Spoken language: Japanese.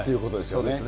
そうですね。